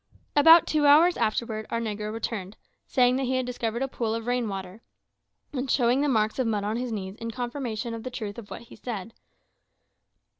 About two hours afterwards our negro returned, saying that he had discovered a pool of rain water, and showing the marks of mud on his knees in confirmation of the truth of what he said.